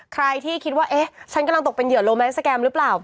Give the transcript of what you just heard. ใครที่คิดว่าเอ๊ะฉันกำลังตกเป็นเหยื่อโลแมนสแกรมหรือเปล่า